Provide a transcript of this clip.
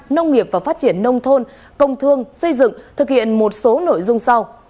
nông nghiệp và phát triển nông thôn công thương xây dựng thực hiện một số nội dung sau